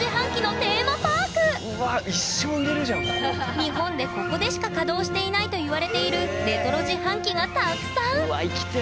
日本でここでしか稼働していないといわれているレトロ自販機がたくさんうわ行きてえ